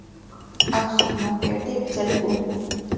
აქვს ღრმა მკერდი, გრძელი კუდი.